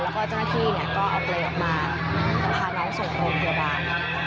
แล้วก็ท่านหน้าที่เอาไฟลั่วมาแล้วพาเราส่งไปพยาบาล